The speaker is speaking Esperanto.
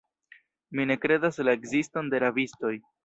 Mi ne kredas la ekziston de rabistoj.